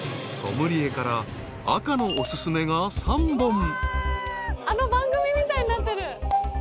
［ソムリエから赤のお薦めが３本］